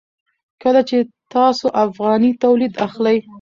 کله چې تاسو افغاني تولید اخلئ.